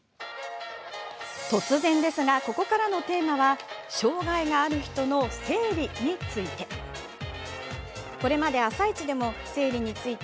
突然ですがここからのテーマは障害がある人の生理について。